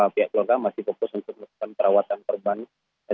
pihak keluarga masih fokus untuk memperbaiki